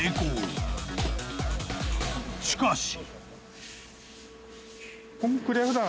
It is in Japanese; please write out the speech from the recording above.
［しかし］